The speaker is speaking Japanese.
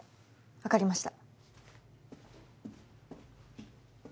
わかりました。